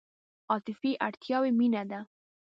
عاطفي اړتیاوې مینه ده.